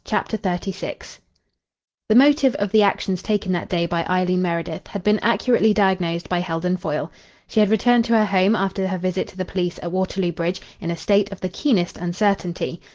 CHAPTER XXXVI The motive of the actions taken that day by Eileen Meredith had been accurately diagnosed by Heldon Foyle. She had returned to her home after her visit to the police at Waterloo Bridge in a state of the keenest uncertainty.